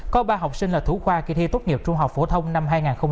coi ba học sinh là thủ khoa khi thi tốt nghiệp trung học phổ thông năm hai nghìn hai mươi ba